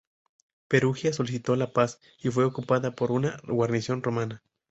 Perugia solicitó la paz y fue ocupada por una guarnición romana.